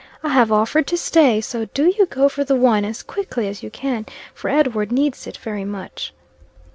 "I have offered to stay; so do you go for the wine as quickly as you can, for Edward needs it very much."